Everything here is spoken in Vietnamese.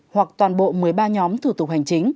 hoặc toàn bộ một mươi ba nhóm thủ tục hành chính